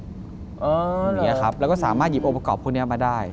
อย่างนี้ครับแล้วก็สามารถหยิบองค์ประกอบพวกนี้มาได้